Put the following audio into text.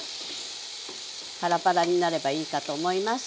パラパラになればいいかと思います。